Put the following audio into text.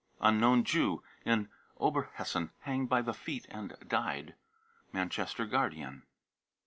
unknown jew, in Oberhessen, hanged by the feet, and died. {Manchester Guardian